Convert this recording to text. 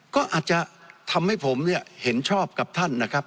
ก็อาจจะทำให้ผมเนี่ยเห็นชอบกับท่านนะครับ